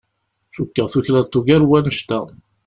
Cukkeɣ tuklaleḍ ugar n wannect-a.